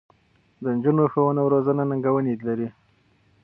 د نجونو ښوونه او روزنه ننګونې لري.